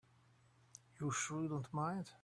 You're sure you don't mind?